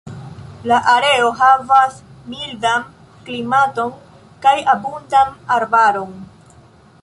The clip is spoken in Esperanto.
La areo havas mildan klimaton kaj abundan arbaron.